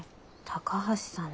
高橋さん！